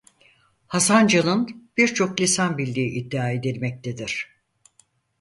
Hasan Can'ın birçok lisan bildiği iddia edilmektedir.